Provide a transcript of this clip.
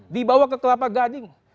dibawa ke kelapa gading